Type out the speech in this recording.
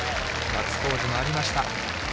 ガッツポーズもありました。